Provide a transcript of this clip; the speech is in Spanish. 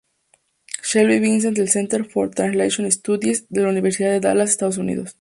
Shelby Vincent del Center for translation studies, de la Universidad de Dallas, Estados Unidos.